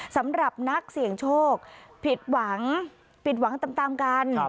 สำหรับนักเสี่ยงโชคผิดหวังตามกัน